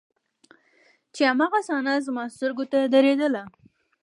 چې هماغه صحنه زما سترګو ته درېدله.